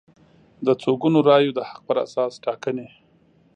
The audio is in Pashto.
د څو ګونو رایو د حق پر اساس ټاکنې